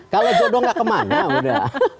kalau jodoh nggak kemana udah